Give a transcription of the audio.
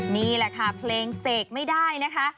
นี่แหละค่ะเพลงเสกไม่ได้นะคะ